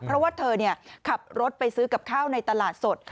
เพราะว่าเธอขับรถไปซื้อกับข้าวในตลาดสด